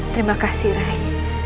terima kasih rai